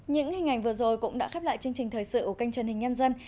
những hình ảnh vừa rồi cũng đã khép lại chương trình thời sự của kênh truyền hình nhân dân